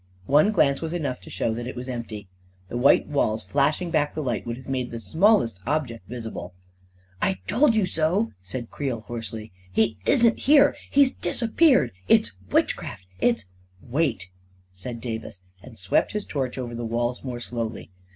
One glance was enough to show that it was empty. The white walls, flashing back the light, would have made the smallest object visible. " I told you so !" said Creel, hoarsely. " He isn't here! He's disappeared! It's witchcraft — it's ..." 44 Wait !" said Davis, and swept his torch over ao6 A KING IN BABYLON 207 the walls more slowly.